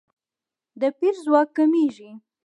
د پیر ځواک کمیږي.